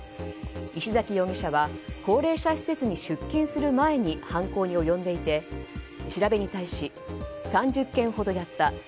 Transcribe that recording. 石崎容疑者は高齢者施設に出勤する前に犯行に及んでいて調べに対し３０件ほどやった。